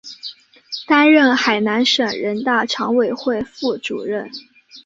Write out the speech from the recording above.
担任海南省人大常委会副主任。